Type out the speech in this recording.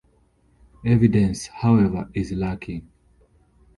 Evidence, however, is lacking.